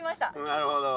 なるほど。